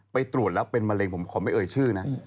ไปตรวจแล้วเป็นมะเร็งผมขอไม่เอ่ยชื่อนะ